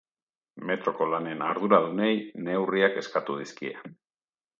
Metroko lanen arduradunei neurriak eskatu dizkie.